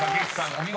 お見事。